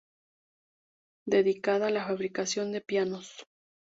Dedicada a la fabricación de pianos.